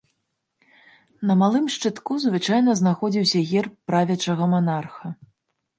На малым шчытку звычайна знаходзіўся герб правячага манарха.